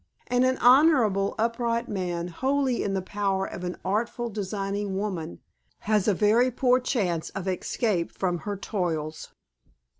And an honorable, upright man, wholly in the power of an artful, designing woman, has a very poor chance of escape from her toils.